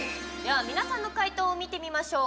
皆さんの解答を見てみましょう。